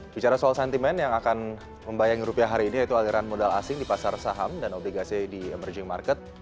bicara soal sentimen yang akan membayangi rupiah hari ini yaitu aliran modal asing di pasar saham dan obligasi di emerging market